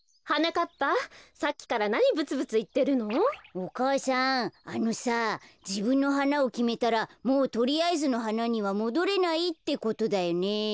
お母さんあのさじぶんのはなをきめたらもうとりあえずのはなにはもどれないってことだよね。